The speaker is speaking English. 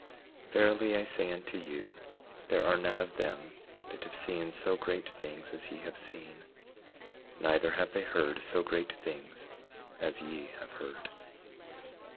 19:36 Verily I say unto you, there are none of them that have seen so great things as ye have seen; neither have they heard so great things as ye have heard.